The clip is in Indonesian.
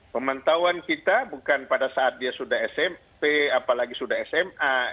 pemantauan kita bukan pada saat dia sudah smp apalagi sudah sma